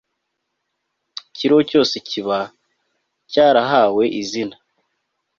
ikiriho cyose kiba cyarahawe izina